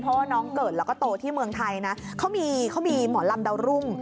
เพราะว่าน้องเกิดแล้วก็โตที่เมืองไทยนะเขามีหมอลำดาวรุ่ง